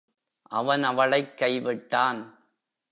அவன் அவளைக் கைவிட்டான்.